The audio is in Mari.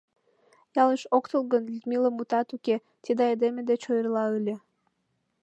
Ялыш ок тол гын, Людмила, мутат уке, тиде айдеме деч ойырла ыле.